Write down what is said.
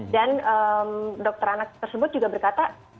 dan dokter anak tersebut juga berkata